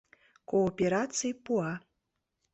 Коопераций пуа.